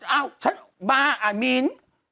เอ้าบ้าอ่ะมีน๒๐๐๐๐๐